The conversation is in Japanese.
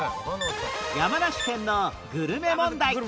山梨県のグルメ問題